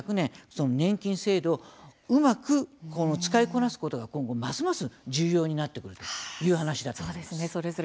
その年金制度をうまく使いこなすことが今後ますます重要になってくるという話だと思います。